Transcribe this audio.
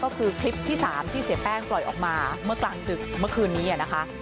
ก็คือคลิปที่๓ที่เสียแป้งปล่อยออกมาเมื่อกลางดึกเมื่อคืนนี้นะคะ